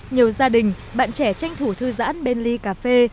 nhiều gia đình bạn trẻ tranh thủ thư giãn bên ly cà phê